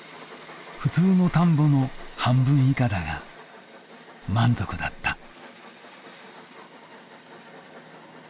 普通の田んぼの半分以下だが満足だった。